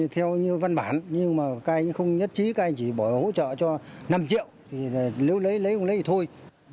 theo như văn bản nhưng mà các anh không nhất trí các anh chỉ bỏ hỗ trợ cho năm triệu nếu lấy không lấy thì thôi